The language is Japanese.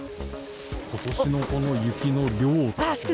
ことしのこの雪の量とかって。